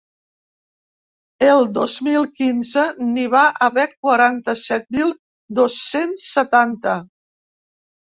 El dos mil quinze n’hi va haver quaranta-set mil dos-cents setanta.